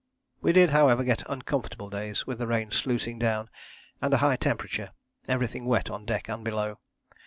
We did, however, get uncomfortable days with the rain sluicing down and a high temperature everything wet on deck and below.